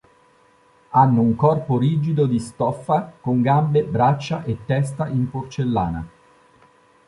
Hanno un corpo rigido di stoffa con gambe, braccia e testa in porcellana.